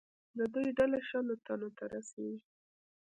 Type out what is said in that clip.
د دوی ډله شلو تنو ته رسېږي.